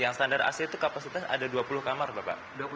yang standar ac itu kapasitas ada dua puluh kamar bapak